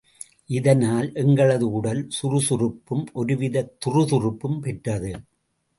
இதனால், எங்களது உடல் சுறுசுறுப்பும் ஒருவிதத் துறுதுறுப்பும் பெற்றது.